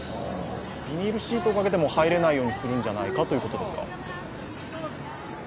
ビニールシートをかけても入れないようにするんじゃないかということですか？